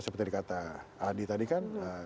seperti dikata adi tadi kan